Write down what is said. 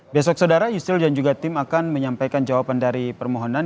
besok saudara yusril dan juga tim akan menyampaikan jawaban dari permohonan